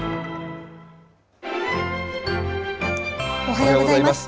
おはようございます。